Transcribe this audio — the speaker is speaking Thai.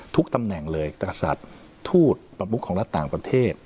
ทุกตำแหน่งเลยตรศาสตร์ทูตประมุขของรัฐต่างประเทศ